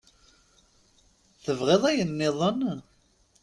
Tebɣiḍ ayen-nniḍen?